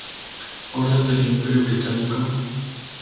Orden del Imperio Británico